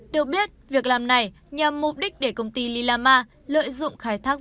được biết việc làm này nhằm mục đích để công ty lilama lợi dụng khai thác